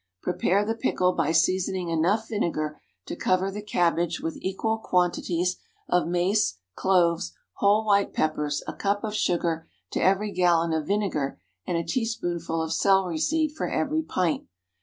Prepare the pickle by seasoning enough vinegar to cover the cabbage with equal quantities of mace, cloves, whole white peppers; a cup of sugar to every gallon of vinegar, and a teaspoonful of celery seed for every pint.